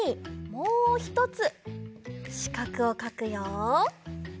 もうひとつしかくをかくよ。